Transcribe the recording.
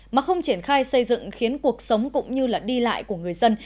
mà không triển khai xây dựng khiến cuộc sống cũng như đi lại của người dân